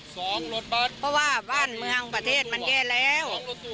รถบัตรเพราะว่าบ้านเมืองประเทศมันแย่แล้ว